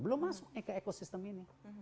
belum masuk ke ekosistem ini